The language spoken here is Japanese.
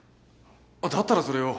だったらそれを。